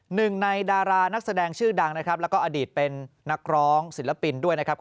หนึ่งในดารานักแสดงชื่อดังนะครับแล้วก็อดีตเป็นนักร้องศิลปินด้วยนะครับ